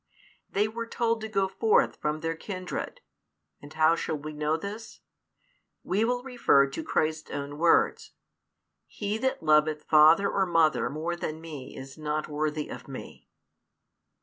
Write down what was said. They were told |406 to go forth from their kindred; and how shall we show this? We will refer to Christ's own words: He that loveth father or mother more than Me is not worthy of Me.